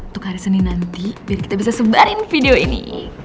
tuh karisani nanti biar kita bisa sebarin video ini